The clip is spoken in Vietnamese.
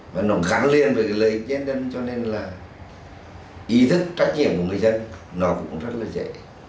và nó khẳng liên với lợi ích nhân dân cho nên là ý thức trách nhiệm của người dân nó cũng rất là dễ